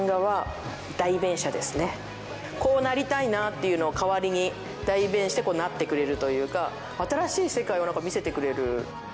こうなりたいなっていうのを代わりに代弁してなってくれるというか、新しい世界を見せてくれる。